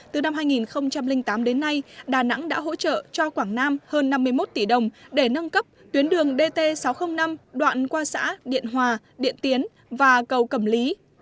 từ năm hai nghìn tám đến nay đà nẵng đã hỗ trợ cho quảng nam hơn năm mươi một tỷ đồng để nâng cấp tuyến đường dt sáu trăm linh năm đoạn qua xã điện hòa điện tiến và cầu cẩm lý